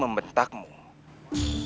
jangan mencari jalan pulang